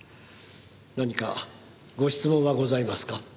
何かご質問はございますか？